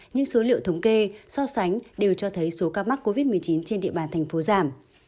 những số liệu thống kê so sánh đều cho thấy số ca mắc covid một mươi chín trên địa bàn tp giảm